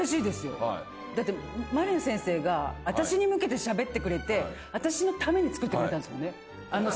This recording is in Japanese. だってまりな先生が私に向けてしゃべってくれて私のために作ってくれたんですもんね。